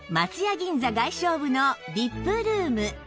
銀座外商部の ＶＩＰ ルーム